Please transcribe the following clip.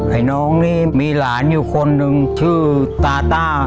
ไอ้น้องนี่มีหลานอยู่คนหนึ่งชื่อตาต้า